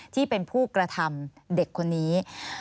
ที่เป็นผู้กระทำเด็กคนนี้